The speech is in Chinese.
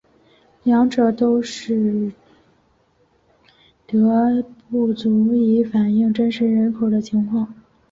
这两者都使得样本不足以反映真实人口的情况。